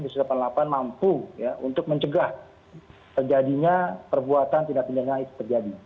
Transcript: di satu ratus delapan puluh delapan mampu untuk mencegah terjadinya perbuatan tidak terkait terjadi